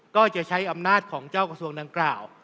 ก็จะใช้อำนาจของเจ้ากระทรวงดังกล่าว